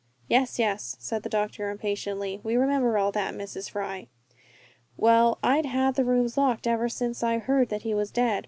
"Yes, yes!" said the doctor, impatiently, "we remember all that, Mrs. Fry." "Well, I'd had the rooms locked ever since I heard that he was dead."